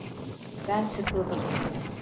Ben sıkıldım.